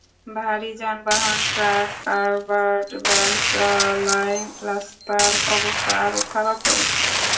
ভারী যানবাহন, truck, covered van চলায় রাস্তার অবস্থা আরও খারাপ হয়েছে।